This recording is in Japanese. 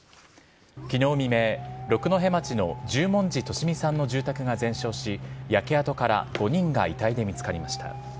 昨日未明六戸町の十文字利美さんの住宅が全焼し焼け跡から５人が遺体で見つかりました。